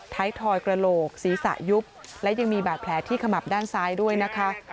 ทอยกระโหลกศีรษะยุบและยังมีบาดแผลที่ขมับด้านซ้ายด้วยนะคะ